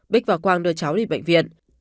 bích và quang đưa cháu đi bệnh viện